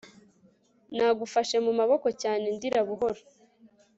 nagufashe mu maboko cyane ndira buhoro